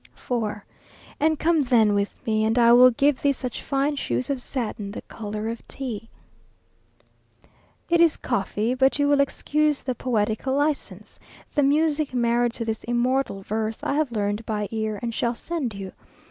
4. And come then with me, And I will give thee Such fine shoes of satin, The colour of tea. It is coffee, but you will excuse the poetical licence. The music married to this "immortal verse," I have learned by ear, and shall send you.